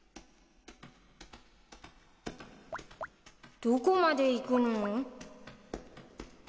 どこまで行くの？